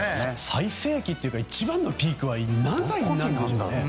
最盛期というか一番のピークは何歳になるんですかね。